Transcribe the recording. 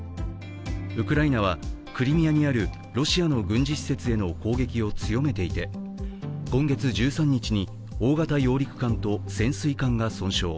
ウクライナはクリミアにあるロシアの軍事施設への攻撃を強めていて今月１３日に、大型揚陸艦と潜水艦が損傷。